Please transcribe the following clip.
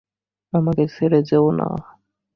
আমাকে ছেড়ে যেও না।